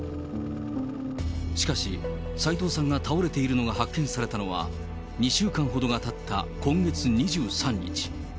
しかし、斎藤さんが倒れているのが発見されたのは、２週間ほどがたった今月２３日。